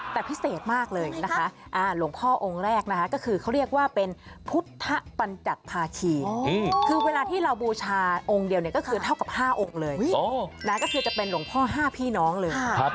เท่ากับ๕องค์เลยก็คือจะเป็นหลวงพ่อ๕พี่น้องเลย